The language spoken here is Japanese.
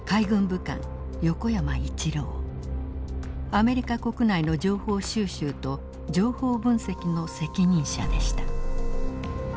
アメリカ国内の情報収集と情報分析の責任者でした。